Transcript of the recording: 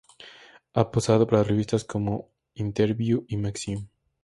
Ha posado para revistas como "Interviú" y "Maxim".